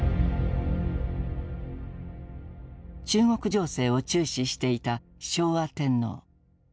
中国情勢を注視していた昭和天皇。